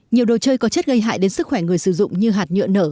nhiều đồ chơi có chất gây hại đến sức khỏe người sử dụng như hạt nhựa nở